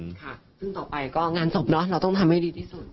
ค่ะซึ่งต่อไปก็งานศพเนอะเราต้องทำให้ดีที่สุด